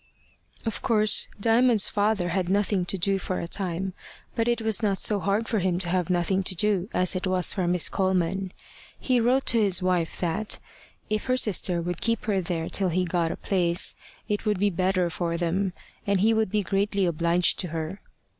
Of course, Diamond's father had nothing to do for a time, but it was not so hard for him to have nothing to do as it was for Miss Coleman. He wrote to his wife that, if her sister would keep her there till he got a place, it would be better for them, and he would be greatly obliged to her.